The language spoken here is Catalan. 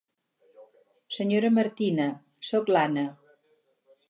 Senyora Martina, soc l'Anna.